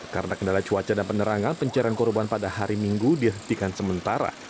karena kendala cuaca dan penerangan pencarian korban pada hari minggu dihentikan sementara